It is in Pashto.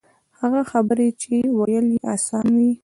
هغه خبرې چې ویل یې آسان وي.